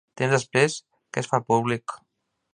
Temps després, què es fa públic?